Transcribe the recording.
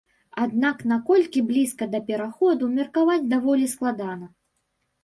Аднак наколькі блізка да пераходу меркаваць даволі складана.